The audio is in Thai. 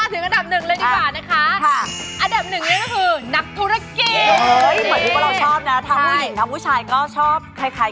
อันดับหนึ่งเลยคือ